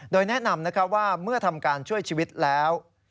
โดยแนะนำว่าเมื่อทำการช่วยชีวิตแล้ว